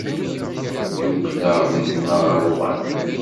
Ddukkleɣ d gma ɣer uɣerbaz.